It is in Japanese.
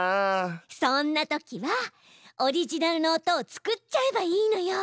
そんな時はオリジナルの音を作っちゃえばいいのよ！